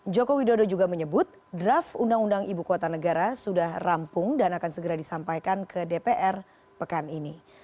joko widodo juga menyebut draft undang undang ibu kota negara sudah rampung dan akan segera disampaikan ke dpr pekan ini